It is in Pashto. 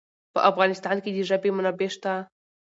په افغانستان کې د ژبې منابع شته.